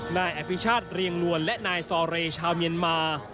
นายอภิชาติเรียงลวลและนายซอเรย์ชาวเมียนมา